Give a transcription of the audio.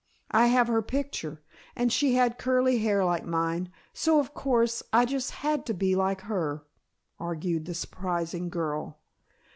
I have her picture. And she had curly hair like mine, so of course I just had to be like her," argued the surprising girl.